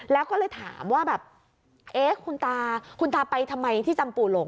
แล้วก็เลยถามว่าคุณตาไปทำไมที่จำปู่หลง